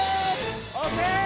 ＯＫ！